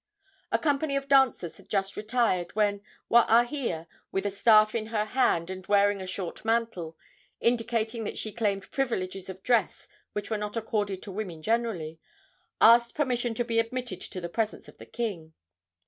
A company of dancers had just retired, when Waahia, with a staff in her hand, and wearing a short mantle, indicating that she claimed privileges of dress which were not accorded to women generally, asked permission to be admitted to the presence of the king.